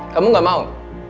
kamu gak mau